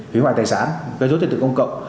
hủy hoại tài sản gây rốt tiền tượng công cộng